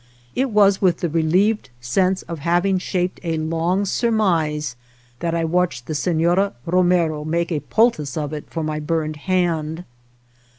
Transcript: It was with the relieved sense of having shaped a long surmise that I watched the Sefiora Ro mero make a poultice of it for my burned hand.